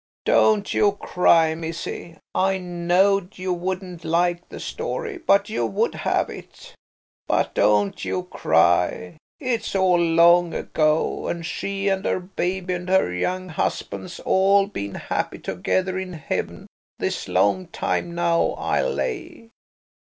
Don't you cry, missie. I know'd you wouldn't like the story, but you would have it; but don't you cry. It's all long ago, and she and her baby and her young husband's all been happy together in heaven this long time now, I lay."